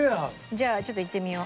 じゃあちょっといってみよう。